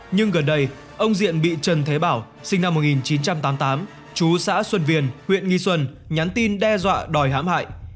nhưng gần đây ông diện bị trần thế bảo sinh năm một nghìn chín trăm tám mươi tám chú xã xuân viên huyện nghi xuân nhắn tin đe dọa đòi hám hại